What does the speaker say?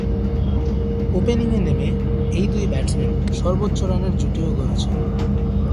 ওপেনিংয়ে নেমে এই দুই ব্যাটসম্যান সর্বোচ্চ রানের জুটিও গড়েছেন।